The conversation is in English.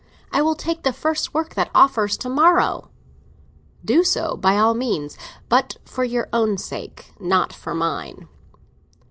"I will take the first work that offers, to morrow." "Do so by all means—but for your own sake, not for mine."